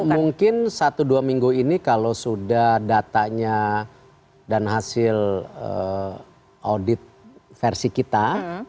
mungkin satu dua minggu ini kalau sudah datanya dan hasil audit versi kita